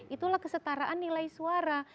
itulah kesetaraan nilai suara